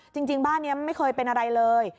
จริงบ้านนี้ไม่เคยเป็นอะไรเลย